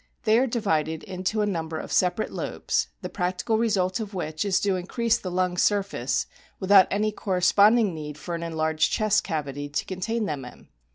They are divided into a number of separate lobes, the practical result of which is to increase the lung surface, without any corresponding need for an enlarged chest cavity to contain them in.